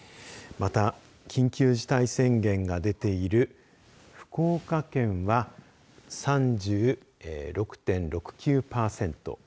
また、緊急事態宣言が出ている福岡県は３６．６９パーセント。